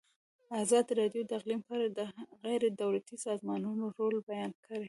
ازادي راډیو د اقلیم په اړه د غیر دولتي سازمانونو رول بیان کړی.